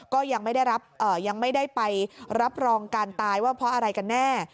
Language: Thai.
ก็ยังไม่ได้ไปรับรองการตายว่าเพราะอะไรกันแน่